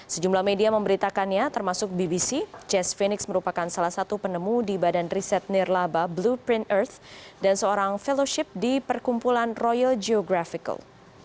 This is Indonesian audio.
sejumlah media memberitakannya termasuk bbc jas phoenix merupakan salah satu penemu di badan riset nirlaba blueprint earth dan seorang fellowship di perkumpulan royal geographical